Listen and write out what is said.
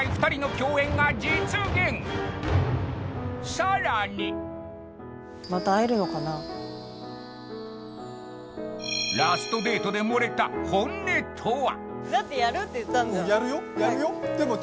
さらにラストデートで漏れた本音とは？